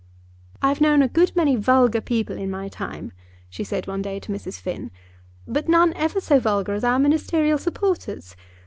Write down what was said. "I've known a good many vulgar people in my time," she said one day to Mrs. Finn, "but none ever so vulgar as our ministerial supporters.